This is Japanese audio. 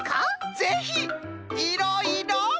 ぜひいろいろ。